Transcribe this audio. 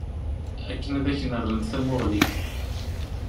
Akken ad ak-n-rrent tamuɣli.